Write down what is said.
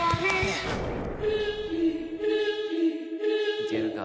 いけるか？